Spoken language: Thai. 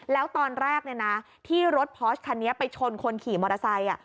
แล้วตอนแรกที่รถพอร์ชคันนี้ไปชนคนขี่มอเตอร์ไซค์